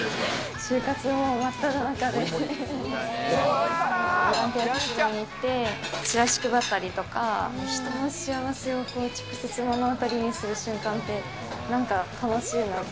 就活もまっただ中で、ボランティアに行ってチラシ配ったりとか、人の幸せを直接、目の当たりにする瞬間って楽しいなって。